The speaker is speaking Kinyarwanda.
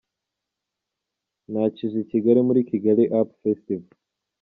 Ntakije i Kigali muri Kigali Up Festival.